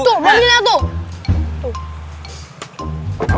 tuh baliklah tuh